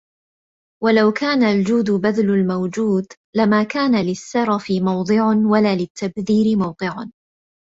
وَلَوْ كَانَ الْجُودُ بَذْلُ الْمَوْجُودِ لَمَا كَانَ لِلسَّرَفِ مَوْضِعٌ وَلَا لِلتَّبْذِيرِ مَوْقِعٌ